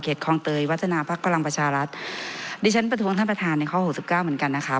คลองเตยวัฒนาภักดิ์พลังประชารัฐดิฉันประท้วงท่านประธานในข้อหกสิบเก้าเหมือนกันนะคะ